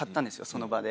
その場で。